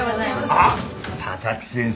あっ佐々木先生